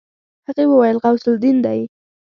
هغې وويل غوث الدين دی.